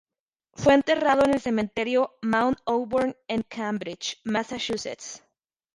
Fue enterrado en el Cementerio Mount Auburn en Cambridge, Massachusetts.